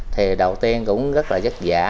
thì đầu tiên cũng rất là giấc giả